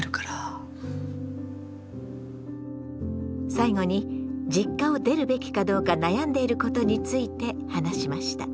最後に実家を出るべきかどうか悩んでいることについて話しました。